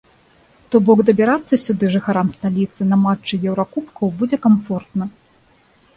То бок дабірацца сюды жыхарам сталіцы на матчы еўракубкаў будзе камфортна.